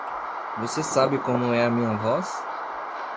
Você sabe como é a minha voz?